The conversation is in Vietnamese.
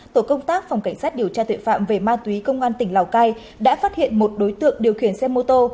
tổ công tác phòng cảnh sát điều tra tuệ phạm về ma túy công an tỉnh lào cai đã phát hiện một đối tượng điều khiển xe mô tô